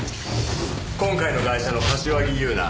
今回のガイシャの柏木優奈